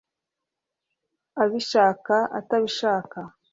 Abishaka atabishaka